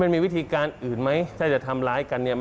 มันมีวิธีการอื่นไหมถ้าจะทำร้ายกันเนี่ย